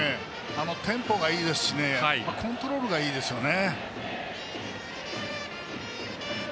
テンポがいいですしコントロールがいいですよね。